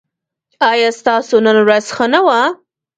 ایا ستاسو نن ورځ ښه نه وه؟